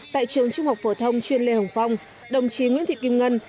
tại trường trung học phổ thông chuyên lê hồng phong đồng chí nguyễn thị kim ngân